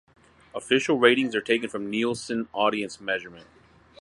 Official ratings are taken from Nielsen Audience Measurement.